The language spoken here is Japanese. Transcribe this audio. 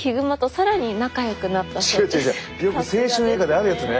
よく青春映画であるやつね。